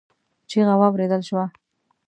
چيغه واورېدل شوه.